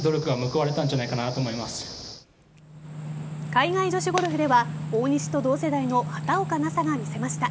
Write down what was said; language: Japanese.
海外女子ゴルフでは大西と同世代の畑岡奈紗が見せました。